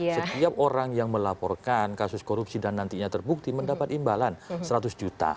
setiap orang yang melaporkan kasus korupsi dan nantinya terbukti mendapat imbalan seratus juta